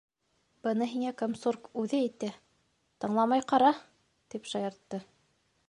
- Быны һиңә комсорг үҙе әйтә, тыңламай ҡара! — тип шаяртты.